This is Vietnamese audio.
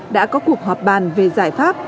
đã có cuộc họp bàn về giải pháp